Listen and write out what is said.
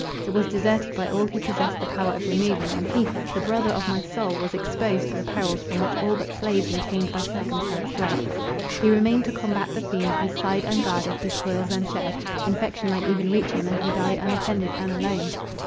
It was deserted by all who possessed the power of removing; and he, the brother of my soul, was exposed to the perils from which all but slaves enchained by circumstance fled. He remained to combat the fiend—his side unguarded, his toils unshared—infection might even reach him, and he die unattended and alone.